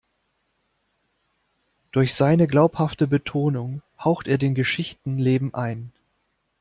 Durch seine glaubhafte Betonung haucht er den Geschichten Leben ein.